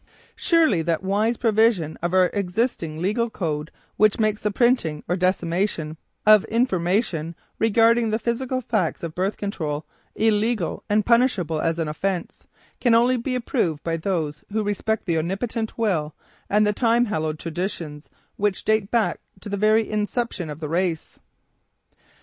Surely that wise provision of our existing legal code which makes the printing or dissemination of information regarding the physical facts of "birth control" illegal and punishable as an offense, can only be approved by those who respect the Omnipotent will, and the time hallowed traditions which date back to the very inception of the race.